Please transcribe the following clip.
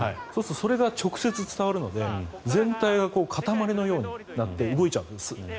それが直接伝わるので全体が固まりのようになって動いちゃうんです。